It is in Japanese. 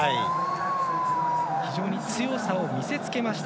非常に強さを見せつけました。